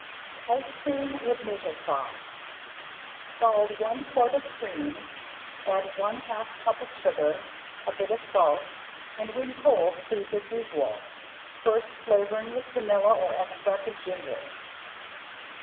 ~ICE CREAM WITH MAPLE SAUCE~ Scald one quart of cream, add one half cup of sugar, a bit of salt, and when cold freeze as usual, first flavoring with vanilla or extract of ginger.